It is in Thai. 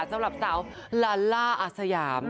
สำหรับสาวลาล่าอาสยาม